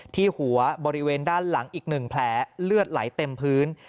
ที่หัวบริเวณด้านหลังอีก๑แผลเลือดไหลเต็มพื้น